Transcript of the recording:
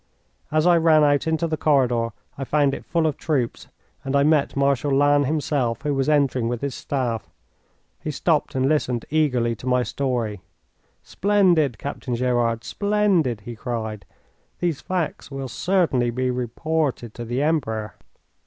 As I ran out into the corridor I found it full of troops, and I met Marshal Lannes himself, who was entering with his staff. He stopped and listened eagerly to my story. "Splendid, Captain Gerard, splendid!" he cried. "These facts will certainly be reported to the Emperor."